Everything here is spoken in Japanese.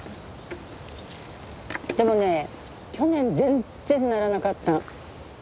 でもね去年全然ならなかったの。